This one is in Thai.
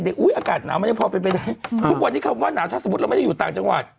ทุกวันนี้คำว่าหนาวถ้าสมมติเราไม่ได้อยู่ต่างจังหวัด